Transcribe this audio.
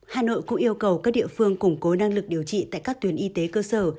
hà nội cũng yêu cầu các địa phương củng cố năng lực điều trị tại các tuyến y tế cơ sở